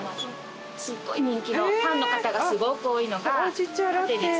すっごい人気のファンの方がすごく多いのがラテです。